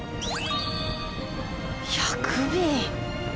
１００便！？